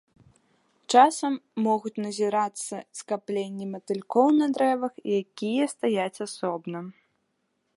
Часам могуць назірацца скапленні матылькоў на дрэвах, якія стаяць асобна.